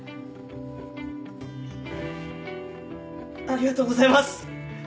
ありがとうございます。